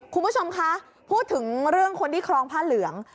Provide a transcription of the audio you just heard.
คุณผู้ชมคะพูดถึงเรื่องคนที่ครองผ้าเหลือง